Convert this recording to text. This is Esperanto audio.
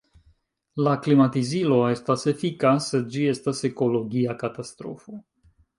La klimatizilo estas efika, sed ĝi estas ekologia katastrofo.